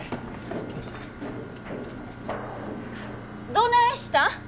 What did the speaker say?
どないしたん。